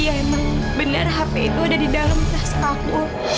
iya emang benar hp itu ada di dalam teh sepaku